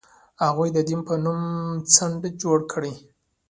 هغوی د دین په نوم خنډ جوړ کړ.